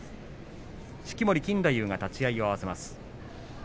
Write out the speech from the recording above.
式守錦太夫が立ち合いを合わせます。